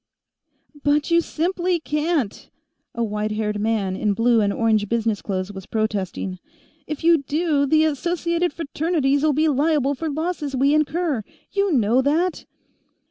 "But you simply can't!" a white haired man in blue and orange business clothes was protesting. "If you do, the Associated Fraternities'll be liable for losses we incur; you know that!"